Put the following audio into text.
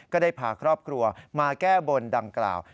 ก็ได้พาครอบครัวมาแก้บนดังกล่าว